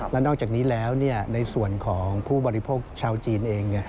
และนอกจากนี้แล้วในส่วนของผู้บริโภคชาวจีนเอง